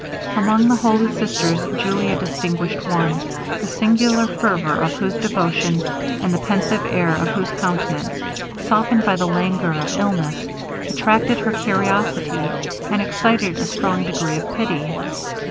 Among the holy sisters, Julia distinguished one, the singular fervor of whose devotion, and the pensive air of whose countenance, softened by the languor of illness, attracted her curiosity, and excited a strong degree of pity.